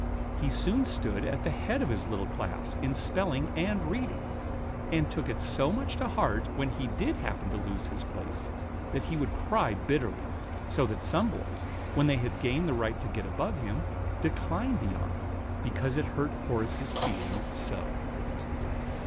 He soon stood at the head of his little class in spelling and reading, "and took it so much to heart when he did happen to lose his place, that he would cry bitterly; so that some boys, when they had gained the right to get above him, declined the honor, because it hurt Horace's feelings so."